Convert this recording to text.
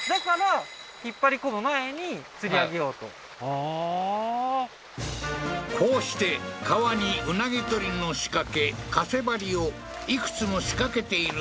ああーこうして川にうなぎ獲りの仕掛けかせばりをいくつも仕掛けている